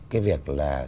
cái việc là